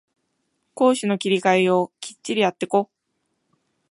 攻守の切り替えをきっちりやってこ